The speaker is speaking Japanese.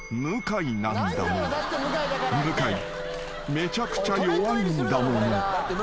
めちゃくちゃ弱いんだもの］